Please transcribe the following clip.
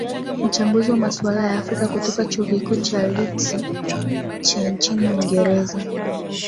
mchambuzi wa masuala ya afrika kutoka chuo kikuu cha litz cha nchini uingereza